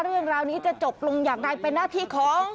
เรื่องราวนี้จะจบลงอย่างไรเป็นหน้าที่ของ